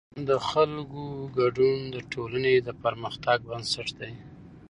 د خلکو ګډون د ټولنې د پرمختګ بنسټ دی